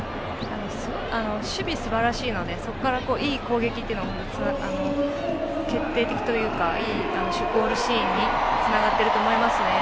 守備がすばらしいのでそこから、いい攻撃というのを決定的というかいいゴールシーンにつながっていると思います。